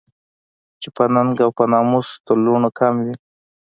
چې په ننګ او په ناموس تر لوڼو کم وي